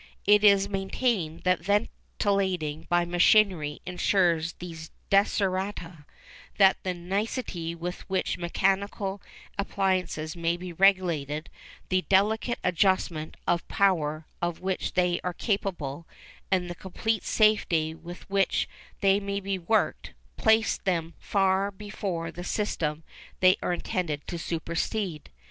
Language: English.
It is maintained that ventilating by machinery ensures these desiderata; that the nicety with which mechanical appliances may be regulated, the delicate adjustment of power of which they are capable, and the complete safety with which they may be worked, place them far before the system they are intended to supersede.